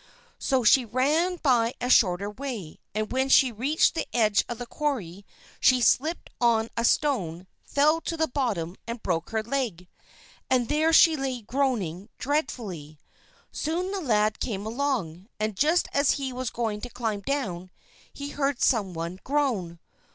So she ran by a shorter way, and when she reached the edge of the quarry she slipped on a stone, fell to the bottom, and broke her leg. And there she lay groaning dreadfully. Soon the lad came along, and just as he was going to climb down he heard some one groan.